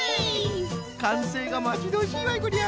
かんせいがまちどおしいわいこりゃ。